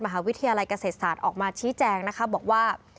มหาวิทยาลัยเกษตรศาสตร์ออกมาชี้แจงนะคะบอกว่า